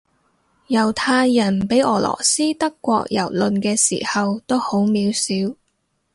猶太人畀俄羅斯德國蹂躪嘅時候都好渺小